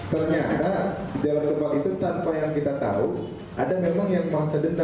ternyata di dalam tempat itu tanpa yang kita tahu ada memang yang merasa detak